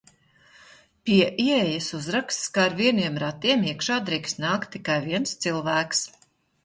Pie ieejas uzraksts, ka ar vieniem ratiem iekšā drīkst nākt tikai viens cilvēks.